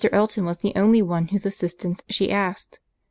Elton was the only one whose assistance she asked.